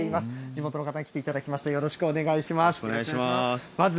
地元の方に来ていただきました、よろしくお願いします。